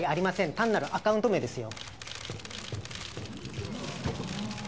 単なるアカウント名ですよ。